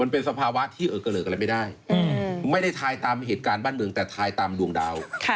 เป็นสภาวะที่เออเกลิกอะไรไม่ได้ไม่ได้ทายตามเหตุการณ์บ้านเมืองแต่ทายตามดวงดาว